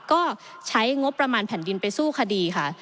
ก็ใช้งบประมาณแผ่นดินไปสู้คดีค่ะ